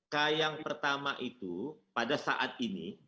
k yang pertama itu pada saat ini